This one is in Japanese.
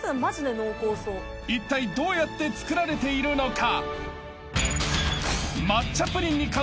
［いったいどうやって作られているのか？］